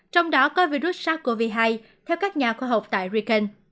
trong đó có virus sars cov hai theo các nhà khoa học tại riken